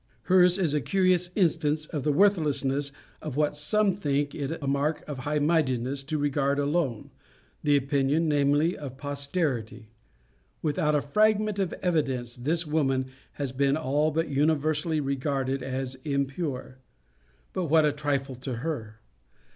Hers is a curious instance of the worthlessness of what some think it a mark of high mindedness to regard alone the opinion, namely, of posterity. Without a fragment of evidence, this woman has been all but universally regarded as impure. But what a trifle to her!